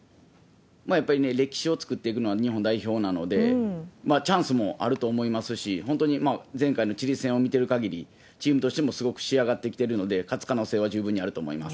やっぱりね、歴史を作っていくのは日本代表なので、チャンスもあると思いますし、本当に前回のチリ戦を見てる限り、チームとしてもすごく仕上がってきてるので、勝つ可能性は十分にあると思います。